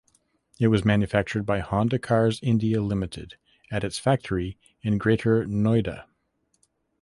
It was manufactured by Honda Cars India Limited at its factory in Greater Noida.